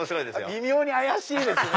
微妙に怪しいですね。